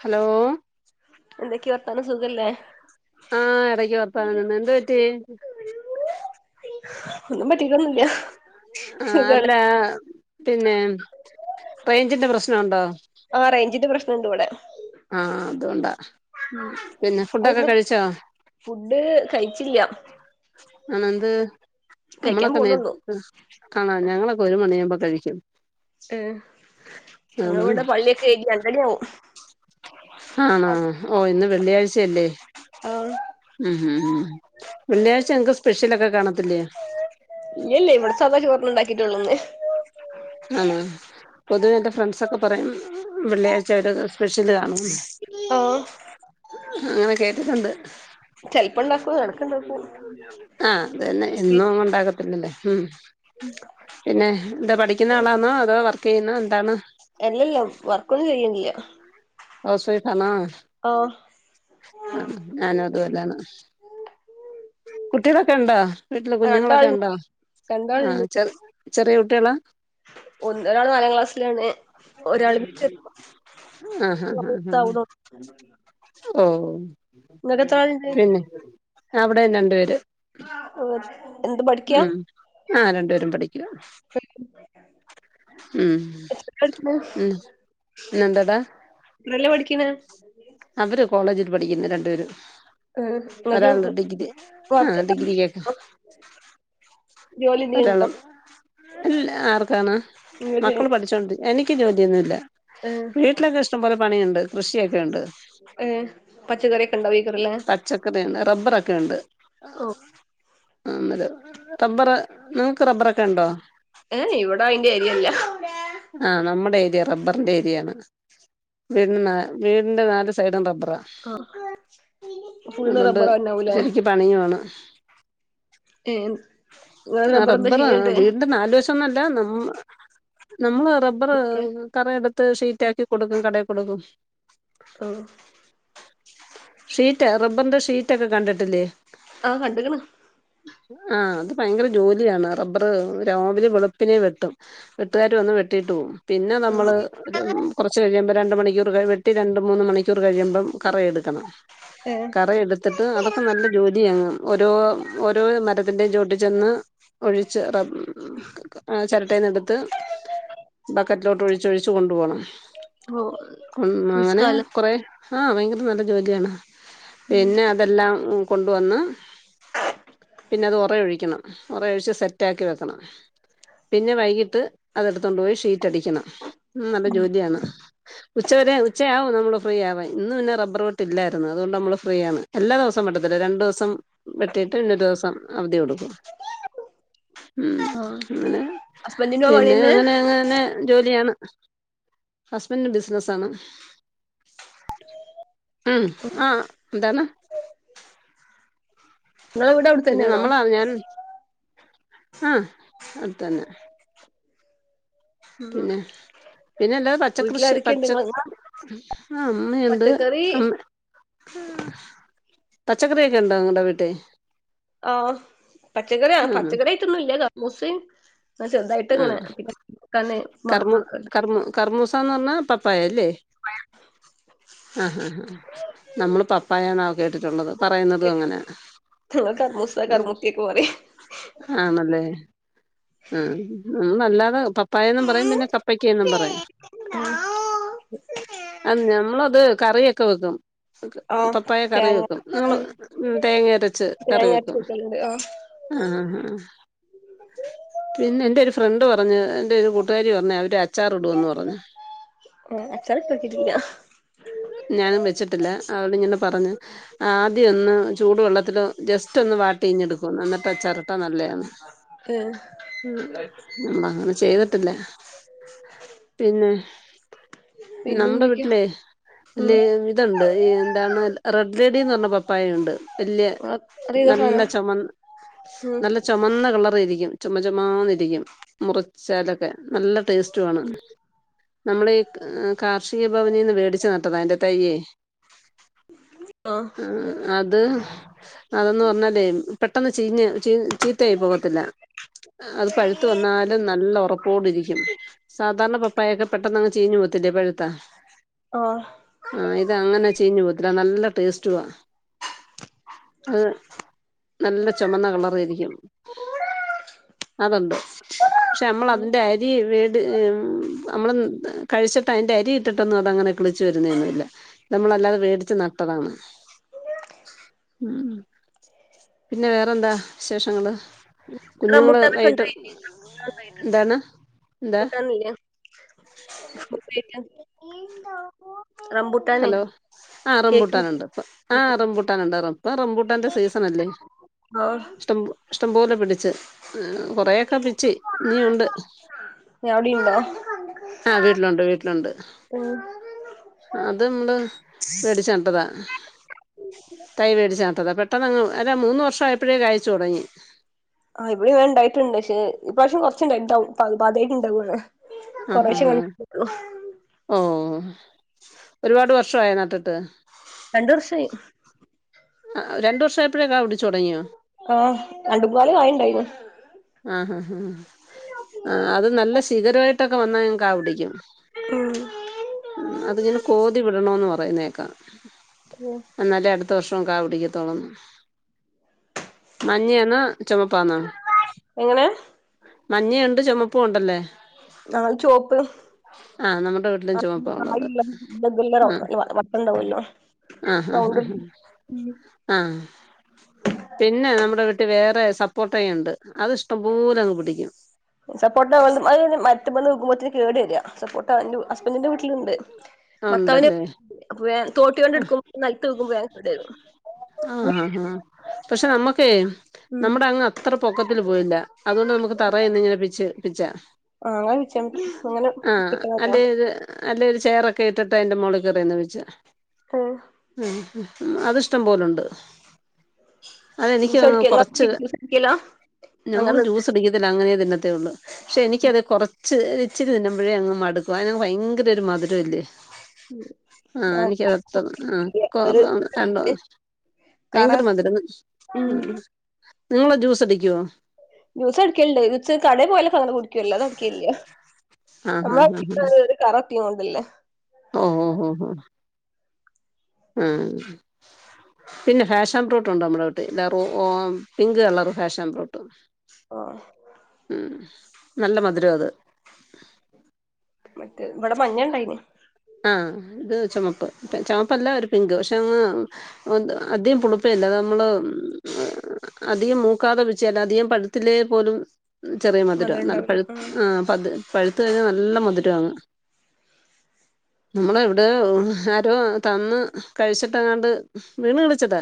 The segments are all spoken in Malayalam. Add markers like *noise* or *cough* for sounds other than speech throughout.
ഹലോ എന്തൊക്കെയ വർത്താനം സുഖല്ലേ ആഹ് ഇടക്ക് വർത്താനം നിന്ന് എന്ത് പറ്റി ഒന്നും പറ്റിട്ടൊന്നൂല്യ ആഹ് സുഖാണ് അല്ല പിന്നെ റേഞ്ചിന്റെ പ്രശ്നണ്ടോ ആഹ് റേഞ്ചിന്റെ പ്രശ്നണ്ട് ഇവിടെ ആഹ് അതോണ്ടാ പിന്നെ ഫുഡൊക്കെ കഴിച്ചോ ച്ചില്ല്യ ഉം എന്ത് കഴിക്കാൻ നമ്മളൊക്കെ നേര്ത്ത് പോണള്ളൂ ഫുഡ് *unintelligible* ഞങ്ങളൊക്കെ ഒരു മണിയാവുമ്പോ കഴിക്കും ഉം ആണോ ഞങ്ങളിവിടെ പള്ളിയൊക്കെകയിഞ്ഞ് രണ്ടണിയാവും ആണാ ഓ ഇന്ന് വെള്ളിയാഴ്ചയല്ലേ ആ ഉം ഉം ഉം വെള്ളിയാഴ്ച ഇങ്ങക്ക് സ്പെഷ്യലൊക്കെ കാണത്തില്ലേ ഇല്ല്യ ഇല്ല്യ ഇവിടെ സാധാചോറ്ന്നെ ഇണ്ടാക്കിട്ടൊള്ളു ഇന്ന് ആണാ പൊതുവേ എന്റെ ഫ്രണ്ട്സൊക്കെ പറയും വെള്ളിയാഴ്ചയായിട്ട് സ്പെഷ്യല് കാണൂന്ന് ആഹ് അ അങ്ങനെ കേട്ടിട്ടുണ്ട് ചെൽപ്പണ്ടാക്കും എടക്ക്ണ്ടാക്കും ആ അതന്നെ എന്നും ഒന്നും ഉണ്ടാക്കത്തില്ലല്ല ഉം പിന്നെ എന്താ പഠിക്കുന്ന ആളാന്നോ അതോ വർക്കെയ്യുന്നോ എന്താണ് എല്ലല്ല വർക്കൊന്നും ചെയ്യ്ണില്ല്യ ഹൗസ് വൈഫാന്നോ ആണോ ഞാനും അതുപോലാണ് കുട്ടികളൊക്കെ ഇണ്ടാ വീട്ടില് കുഞ്ഞുങ്ങളൊക്കെ രണ്ടാളുണ്ട് ഇണ്ടാ ആഹ് രണ്ടാളുണ്ട് ചെറി ചെറിയ കുട്ടികളാ ഒന്ന് ഒരാള് നാലാം ക്ലാസ്സ്ലാണ് ഹഹ ഹഹ ഹ ഓ എത്ര ആളുണ്ട് പിന്നെ അവിടേം രണ്ട് പേര് *unintelligible* ഉം ആ രണ്ടുപേരും പഠിക്കാ എത്ത്ക്കാട്ക്ക്ണ് ഉം പിന്നെന്താടാ എത്രേല പഠിക്കിണ് അവര് കോളേജിൽ പഠിക്കിന്ന് രണ്ടുപേരും ആഹ് നിങ്ങക്ക് ഒരാള് ഡിഗ്രി ആ വർക്ക് ഡിഗ്രി *unintelligible* ജോലി എന്തേലും ഒരാള് ഉണ്ടോ ഇൽ ആർക്കാണ് മക്കള് പഠിച്ചോണ്ട് എനിക്ക് ജോലിയൊന്നുല്ല ഏഹ് വീട്ടിലൊക്കെ ഇഷ്ടംപോലെ പണിയുണ്ട് കൃഷിയൊക്കെയുണ്ട് ഏ പച്ചക്കറിയൊക്കെ ഉണ്ടാവൊയ്ക്കാരം ലെ *unintelligible* റബ്ബറൊക്കെയുണ്ട് ഓഹ് അത് റബ്ബറ് ഇങ്ങക്ക് റബ്ബറൊക്കെയുണ്ടോ ഏയ് ഇവിടെ അയിന്റെ ഏരിയ അല്ല ആഹ് നമ്മടെ ഏരിയ റബ്ബറിന്റെ ഏരിയേണ് വീടിന്നെ വീടിന്റെ നാല് സൈഡും റബ്ബറാ ആഹ് ഫുള്ള് റബ്ബറാന്നാവും ലെ പണിയും ആണ് ഏയ് ഇങ്ങള് റബ്ബറ് എന്താ ചെയ്യന്ന്ട്ട് അതൊന്നല്ല നമ്മ നമ്മള് റബ്ബറ് ബുക്ക് കറ എടുത്ത് ഷീറ്റാക്കി കൊടുക്കും കടേ കൊടുക്കും ഔ ഷീറ്റ് റബ്ബറിന്റെ ഷീറ്റൊക്കെ കണ്ടിട്ടില്ലേ ആ കണ്ട്ക്ക്ണ് ആഹ് അത് ഭയങ്കര ജോലിയാണ് റബ്ബറ് രാവിലെ വെളുപ്പിനെ വെട്ടും വെട് കൂട്ടുകാര് വന്ന് വെട്ടീട്ട് പോവും പിന്നെ നമ്മള് ഒരു കൊറച്ച് കഴിയുമ്പം രണ്ട് മണിക്കൂറ് വെ വെട്ടി രണ്ട് മൂന്ന് മണിക്കൂർ കഴിയുമ്പം കറ എടുക്കണം ഏഹ് കറ എടുത്തിട്ട് അതൊ ഇപ്പം നല്ല ജോലിയാണ് ഒരോ ഓരോ മരത്തിന്റെയും ചോട്ടി ചെന്ന് ഒഴിച്ച് റബ് ആ ചെരട്ടേന്നെടുത്ത് ബക്കറ്റ്ലോട്ട് ഒഴിച്ച് ഒഴിച്ചൊഴിച്ച് കൊണ്ടുപോണം ഓഹ് ഉം അങ്ങനെ റിസ്കാല്ലേ കൊറെ ആഹ് ഭയങ്കര നല്ല ജോലിയാണ് പിന്നെ അതെല്ലാം കൊണ്ട് വന്ന് പിന്നെ അത് ഒറ ഒഴിക്കണം ഒറയൊഴിച്ച് സെറ്റാക്കി വെക്കണം പിന്നെ വൈകിട്ട് അതെട്ത്താേണ്ട് പോയി ഷീറ്റടിക്കണം ഉം നല്ല ജോലിയാണ് ഉച്ചവരെ ഉച്ചയാവും നമ്മള് ഫ്രീയാവാൻ ഇന്ന് പിന്നെ റബ്ബർ വെട്ട് ഇല്ലായ്ര്ന്ന് അതുകൊണ്ട് നമ്മള് ഫ്രീയാണ് എല്ലാ ദെവസവും വെട്ടത്തില്ല രണ്ട് ദ്‌വസം വെട്ടീട്ട് ഒര് ദിവ്സം അവധി കൊട്ക്കും അ ഉം അങ്ങെനെ ഹസ്ബൻഡിന്റെ പണി പിന്നെ തന്നെ അങ്ങെനെ അങ്ങെനെ ജോലിയാണ് ഹസ്ബൻഡ്ന് ബിസ്നസാണ് ഉം ആഹ് എന്താണ് നിങ്ങളെ വീട് പിന്നെ അവിടെത്തന്നെയാണോ നമ്മളാ ഞാന് ആഹ് അതെന്നെ ഉം പിന്നെ പിന്നെല്ലാതെ പച്ചക്കൃഷി വീട്ടിലാരൊക്കെയുണ്ട് പച്ച നിങ്ങള് ആഹ് അമ്മയ്ണ്ട് പച്ചക്കറി അമ്മെ പച്ചക്കറിയൊക്കെ ഇണ്ടോ നിങ്ങളടെ വീട്ടി ആഹ് പച്ചക്കറിയാ ആ പച്ചക്കറ്യായ്ട്ടൊന്നും ഇല്ല്യാ കർമൂസിം ആഹ് ആ ചെർതായിട്ട്ങ്ങനെ പിന്നെ *unintelligible* കണ്ണ് മാങ്ങാ കർമു ഒക്കെണ്ട് കർമു കർമൂസാന്ന് പർഞ്ഞാ പപ്പായ അല്ലേ പ്പായ ആഹ് ഹാ ഹാ നമ്മള് പപ്പായാന്നാ കേട്ടിട്ടാെള്ളത് പറയ്ന്നതും അങ്ങനെയാണ് ഞങ്ങള് കർമൂസ കർമുട്ടിയൊക്കെ പറയും ആണെല്ലേ ഉം നല്ലതാ പപ്പായെന്നും പറയും പിന്നെ ക പ്പക്ക എന്നും പറയും അൽ ഞമ്മളത് കറിയൊക്കെ വെക്കും ആഹ് പപ്പായ കറി തേങ്ങ വെക്കും മോള് ഉം തേങ്ങയരച്ച് കറി തേങ്ങ അരച്ച് വെക്കും വെക്കലുണ്ട് ആഹ് ആഹ് പിന്നെ എന്റൊര് ഫ്രണ്ട് പറഞ്ഞ് എന്റെയൊര് കൂട്ടുകാരി പറഞ്ഞ് അവര് അച്ചാറ് ഇടുവെന്ന് പറഞ്ഞ് ഓഹ് അച്ചാറ്ട്ട് നോക്കീട്ടില്ലാ ഞാനും വെച്ച്ട്ടില്ല അവളിങ്ങനെ പറഞ്ഞ് ആദ്യ ഒന്ന് ചൂട് വെള്ളത്തില് ജസ്റ്റാെന്ന് വാട്ടി ഇങ്ങെടുക്കുംന്ന് എന്നിട്ട് അച്ചാറിട്ടാ നല്ലെയാന്ന് ഏഹ് ഉം ഉം അങ്ങനെ ചെയ്തിട്ടില്ല പിന്നെ നമ്മ്ടെ പിന്നെന്തൊക്കെയാ വീട്ട്ലേ ഉം അല്ലേ ഇത്ണ്ട് ഈ എന്താണ് റെഡ് ലേഡീന്ന് പർഞ്ഞ പപ്പായയ്ണ്ട് വല്യെ അറിയുന്ന സാധനാ നല്ല ചൊമന്ന് ഉം നല്ല ചൊ മന്ന കളറായ്രിക്കും ചൊമ ചൊമാന്നിരിക്കും മുറിച്ചാലൊക്കെ നല്ല ടേസ്റ്റു ആണ് നമ്മളീ കാർഷിക ഭവനീന്ന് വേടിച്ച് നട്ടതാ അയ്ന്റെ തയ്യേ ആഹ് അത് അതെന്ന് പർഞ്ഞാലേ പെട്ടെന്ന് ചീഞ്ഞ് ചീത്തയായ് പാേവത്തില്ലാ അത് പഴ്ത്ത് വന്നാലും നല്ലൊറപ്പോടിരിക്കും സാധാരണ പപ്പായൊക്കെ പെട്ടെന്നങ്ങ് ചീഞ്ഞ് പോകത്തില്ലേ പഴ്ത്താ ആഹ് ആഹ് ഇതങ്ങനെ ചീഞ്ഞ് പോവത്തില്ല നല്ല ടേസ്റ്റുവാ ആഹ് നല്ല ചാെമന്ന കളറായ്രിക്കും അതൊണ്ട് പക്ഷെ അമ്മളതിന്റെ അരി വേ ത് എം നമ്മള് കഴ്ച്ചിട്ട് അയ്ന്റെരി ഇട്ടിട്ടൊന്നൂടെ അങ്ങനെ കിളിച്ച് വെര്ന്നേന്നുല്ല നമ്മളല്ലാതെ വേടിച്ച് നട്ടതാണ് ഉം ഉം പിന്നെ വേറെന്താ വിശേഷങ്ങള് കുഞ്ഞുങ്ങള് വൈകിട്ട് റംബുട്ടാനൊക്കെണ്ടായില്ലേ റംബുട്ടാൻണ്ടായിട്ട്ണ്ട് എന്താണ് എന്താ റംബുട്ടാന്ല്ല്യാ *unintelligible* റംബു ഹലോ ആഹ് റെംബൂട്ടാനുണ്ട്പ്പ് ആഹ് റെംബൂട്ടാനുണ്ട് റെം പ്പെ റെംബു ട്ടാന്റെ സീസണല്ലേ ആഹ് ഇഷ്ടമ്പോ ഇഷ്ടംപോലെ പിടിച്ച് കൊറേയൊക്കെ പിച്ചി ഇനിയുണ്ട് ഏഹ് അവ്ടിംണ്ടോ ആഹ് വീട്ടിലൊണ്ട് വീട്ടിലൊണ്ട് അത് മ്മള് വേടിച്ച് നട്ടതാ തൈ വേടിച്ചു നട്ടതാ. പെട്ടെന്നങ്ങ് അല്ല മൂന്ന് വർഷായപ്പഴേ കായിച്ച് തൊടങ്ങി. ആ ഇപടെം തെ ണ്ടായിട്ടുണ്ട് ക്ഷേ ഇപ്രാശ്യം കുറച്ചുണ്ടായി ണ്ടാവും പാത്യാ യിട്ട്ണ്ടാവാണ്. ആഹ ആഹ ഓ ഒരുപാട് വർഷായോ നട്ടിട്ട് രണ്ടുവർഷായി ആ രണ്ടുവർഷായപ്പോഴേ കാ പിടിച്ചു തൊടങ്ങിയോ? ആഹ് രണ്ട് മുന്നാല് കായിണ്ടായി. ആഹ് ഹ ഹ ആ അത് നല്ല ശീഖരായിട്ടൊക്കെ വന്നാ കാപിടിക്കും. *unintelligible* ഉും അതിങ്ങനെ കോതിവിടണോന്ന് പറയിന്നേക്കാം. *unintelligible* അന്നാലെ അടുത്ത വർഷം കാ പിടിക്കത്തൊള്ളെന്ന്. മഞ്ഞയാന്നോ ചൊമപ്പ എങ്ങനെ? മഞ്ഞിയുണ്ട് ചുമപ്പുണ്ടല്ലേ? ഞാൽത് ചൊപ്പ് നമ്മുടെ വീട്ടിലും ചുമപ്പാ ഉള്ളത് ആ *unintelligible* വട്ടംണ്ടാവല്ലോ? സൗണ്ട് ആഹ് പിന്നെ നമ്മുടെ വീട്ടിൽ വേറെ സപ്പോട്ടേയുണ്ട്. അത്ഷ്ടംപോലങ്ങ് പിടിക്കും. സപ്പോട്ട് അത് ന് മര്ത്ത്മന്ന് വികുബത്തിന്കേട് രാ സപ്പോട്ട ൻ്റെ ഹസ്ബൻഡിന്റെ വീട്ടിലുണ്ട് ഭർത്താവിന് ഉണ്ടല്ലേ വെ ആ തോട്ടിണ്ടെട്ക്കും നെൽത്കും വേകേട് രും ആഹാ ഹാ പക്ഷെ നമ്മക്കേ ഉം നമ്മുടെ അങ്ങ് അത്ര പൊക്കത്തില് പോയില്ല അതൊണ്ട് നമുക്ക് തറയിന്നിങ്ങനെപിച്ചി പിച്ചാം. ആഹ് അങ്ങനെ വെച്ചാ മതി അങ്ങനെ ആഹ് കിട്ടണല്ലോ അതേയ്ത് അല്ലേരു ചെയറൊക്കെ ഇട്ടിട്ടയിന്റെ അയിൻ്റെ മോളിൽ കയറിന്ന് പിച്ചാം. *unintelligible* ഉംഹും അതിഷ്ടം മ്പോലുണ്ട് അതെനിക്ക് ജ്യൂസ് അടിക്ക തോന്നുന്നു ഇങ്ങള് കൊറച്ച് ജ്യൂസ് അടിക്കല്ല ഞങ്ങള് അങ്ങനെ ജ്യൂസടിക്ക ല്ലാ അങ്ങനെ നിന്നത്തെയുള്ളു ക്ഷേ എനിക്കത് കൊറ ച്ച് ഇച്ചിരി തിന്നുമ്പഴേ അങ്ങ് മടുക്കും അയ്ന് ഭയങ്കരൊരു മധുരല്ലേ ഉം ആഹ് എനിക്ക് *unintelligible* കറ ഭയങ്കര മധുരന്ന് ഉം നിങ്ങള് ജ്യൂസടിക്ക്കോ ജ്യൂസട്ക്കൽണ്ട് ജൂസ് കടേ പോയല സാധാരണ കുട്ക്കല്ല അല്ലാതട്ക്കേല്ല ആഹ് ആഹ് *unintelligible* കററ്റിങ്ങോണ്ട്ല്ലേ? ഓ ഹും ഹും ഉും പിന്നെ ഫാഷൻ ഫ്രൂട്ടുണ്ടമ്മടെ വീട്ടിൽ ലറുഓ പിങ്ക് കളർ ഫാഷൻ ഫ്രൂട്ട് ഓഹ് ഉം നല്ല മധുരാത് മറ്റേ ഇവിടെ മഞ്ഞയിണ്ടായിന് ആഹ് ഇത് ചൊമപ്പ് ചൊമപ്പല്ല ഒരു പിങ്ക് പക്ഷെന്ന് അത് അധികം പുളിപ്പേല്ല അതമ്മള് അധികം മൂക്കാതെ വെച്ചയല്ല അധികം പഴു ത്തില്ലേ പോലും ചെറിയ മധുരാ. മധുരം നല്ല ഇണ്ടാവൂല പഴ് ആഹ് പത് പഴുത്ത് കഴിഞ്ഞാൽ നല്ല മധുരാങ്ങ്. നമ്മള് എവിടെയോ ആരോ തന്ന് കഴിച്ചിട്ടങ്ങാണ്ട് വീണ് കിളിച്ചതാ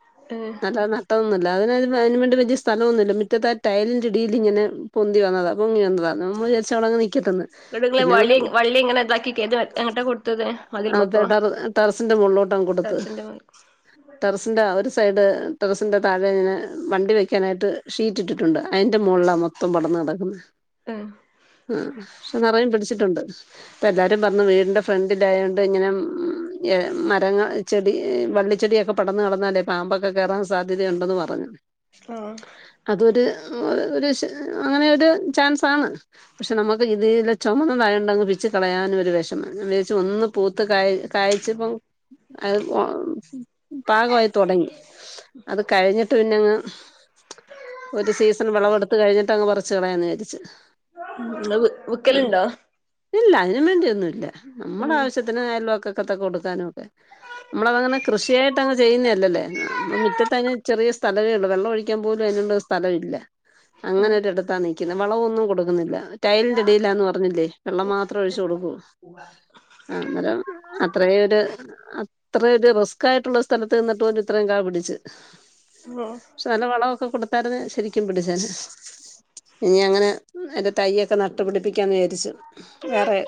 *unintelligible* നല്ല നട്ടഓന്നുല്ല അതിന് അയിന് വേണ്ടി വല്ല്യാ സ്ഥലന്നുമില്ല മിറ്റത്താ ടയിലിന്റെഡീലിങ്ങനെ പോന്തി വന്നതാ പൊങ്ങി വന്നതാ നമ്മ വിജാരിച്ച് അവിടെ അങ് നിക്കട്ടെന്ന്. വീടുങ്ലെ പിന്നെ അങ്ങനെ വളി വള്ളിങ്ങനെ ഇതാക്കി കേത് എങ്ങട്ടാ കൊടുത്തത് മതിൽമക്കോ ടെറസിന്റെ മുകളിലോട്ടങ്ങ് കൊടുത്ത് ടർസിന്റെ മേൽക്കോ ടെറസിന്റെ ഒരു സൈഡ് ടെറസിന്റെ താഴെങ്ങനെ വണ്ടി വെക്കാനായിട്ട് ഷീറ്റ് ഇട്ടിട്ടുണ്ട് അയിന്റെ മോളിലാ മൊത്തം പടന്ന് കടക്കുന്നത് ഹും ഉം ക്ഷെ നറെ പിടിച്ചിട്ടുണ്ട് ഇപ്പല്ലാര് മുറ്റും പറഞ്ഞു വീടിൻ്റെ ഫ്രണ്ടിലായോണ്ട് ഇങ്ങനെ ഉം എ മരങ്ങ ചെടി വള്ളിച്ചെടിയൊക്കെ പടന്നു കടന്നാലേ പാമ്പൊക്കെ കയറാൻ സാധ്യതയുണ്ടന്ന് പറഞ്ഞു. ആഹ് അതൊര് ഒരു അങ്ങനെ ഒരു ചാൻസാണ്. പക്ഷെ നമുക്ക് ഇതിലെ ചുമന്നതാണ്ടെങ് പിച്ചി കളയാനുംറ്റു ഒര് വെഷമംഞാവിജയിച്ചു ഒന്ന് പൂത്ത് കായിച്ചപ്പം അത് പോ പാകമായി തുടങ്ങി. അത് കഴിഞ്ഞിട്ട് പിന്നെങ്ങ് ഒരു സീസൺ വെളവെടുത്ത് കഴിഞ്ഞിട്ടങ്ങ് പറച്ച് കളയാന്ന് വിചാരിച്ചു ഇങ്ങള് വി ഉം വിക്കലുണ്ടോ ഇല്ല അതിനും വേണ്ടി ഒന്നുല്ല നമ്മുടെ ഉം ആവശ്യത്തിന് അയലോക്കത്ത കൊടുക്കാനും. നമ്മളതങ്ങനെ കൃഷിയായിട്ട്ങ് ചെയ്യുന്നതല്ലല്ലോമ്മ മറ്റത്തതി ചെറിയ സ്ഥ ഥലേ ഒള്ളൂ വെള്ളം ഒഴിക്കാൻ പോലും അതിനുള്ള സ്ഥല ഇല്ല അങ്ങനെ ഒരു എടുത്താ വളമന്നും കൊടുക്കുന്നില്ല ടൈലിന്റെറെ ഇടില്ലാന്ന് പറഞ്ഞില്ലേ വെള്ളം മാത്രം ഒഴിച്ച് കൊടുക്കൂ. ഉം ആ അന്നരം അത്രയൊരു അത്ര ഒരു റിസ്ക് ആയിട്ടുള്ള സ്ഥലത്ത് നിന്നിട്ട് കൊണ്ട് ഇത്രയും ക പിടിച്ച് ഉം പക്ഷെ നല്ല വളമൊക്കെ കൊടുത്താരെ ശരിക്കും പിടിച്ച നേ ഇനി അങ്ങനെ എറെ തയ്യൊക്കെ നട്ടുപിടിപ്പിക്കാന്ന് വിചാരിച്ചു വേറെ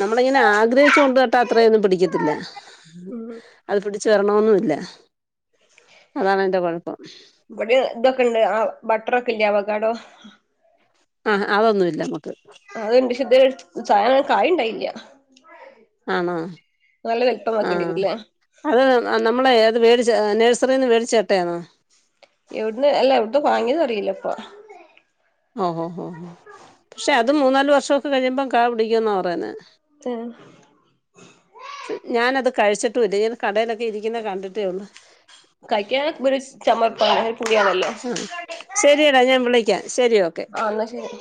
നമ്മള ഇങ്ങനെ ആഗ്രഹിച്ചു കൊണ്ട് നട്ടാ അത്രയൊന്നും പിടിക്കത്തില്ല ഉം അത് പിടച്ച വരണന്നുംല്ല അതാണ് അതിന്റെ കുഴപ്പം ഇവിടെ ഇതൊക്കെ ഇണ്ട് ആ ബട്ടറൊക്കെ ഇല്ല അവകാടോ. ആ അതൊന്നുഇല്ല നമുക്ക് അത്ണ്ട് ശ്ണ്ട് ചായ് കായിണ്ടായില്ല. ആണോ നല്ല ആ വലപ്പമാക്കേണ്ടിരൂല്ലേ. അത് നമ്മളെ അത് മേടിച്ച നേഴ്റിൽ നിന്ന് മേടിച്ചേട്ടയാണോ? എവിടന്ന് അല്ല എവിടന്ന് വാങ്ങിയന്ന് അറിയില്ല ഇപ്പാ ഓഹ് ഓഹ് ഓഹ് പക്ഷെ അത് മൂന്നാല് വർഷമൊക്കെ കഴിയുമ്പം കാ പിടിക്കുവന്നാണ് പറയെ ത്തേഹ് പക്ഷ ഞാനത് കഴിച്ചിട്ടും ഇല്ല കടയിലൊക്കെ ഇരിക്കുന്നേ കണ്ടിട്ടേള്ളു കഴിക്കാൻ ഒരു ശ്ഹ് ചമർപ്പാണ് ഒരു പുളിയാണല്ലോ ശ്ഹ് ശരിയടാ ഞാൻ വിളിക്കാം ശരി ഓക്കെ അന്നശരി